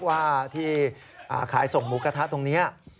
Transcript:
ว่าที่ขายส่งหมูกระทะตรงนี้